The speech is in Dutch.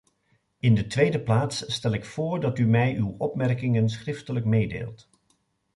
In de tweede plaats stel ik voor dat u mij uw opmerkingen schriftelijk meedeelt.